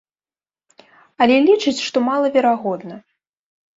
Але лічыць, што малаверагодна.